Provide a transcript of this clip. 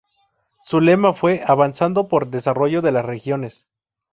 Su lema fue ""Avanzando por Desarrollo de las Regiones"".